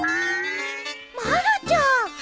まるちゃん！？